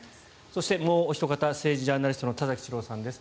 そしてもうおひと方政治ジャーナリストの田崎史郎さんです。